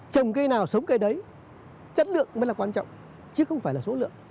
trồng cây nào sống cây đấy chất lượng mới là quan trọng chứ không phải là số lượng